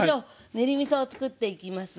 練りみそをつくっていきます。